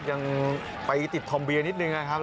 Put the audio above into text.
ยังไปติดทอมเบียนิดนึงนะครับ